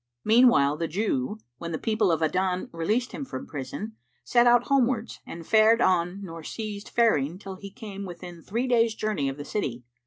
Meanwhile, the Jew, when the people of Adan released him from prison, set out homewards and fared on nor ceased faring till he came within three days' journey of the city.